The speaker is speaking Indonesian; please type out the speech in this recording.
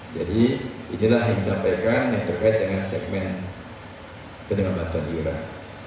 jadi inilah yang disampaikan yang terkait dengan segmen penumpang tunduran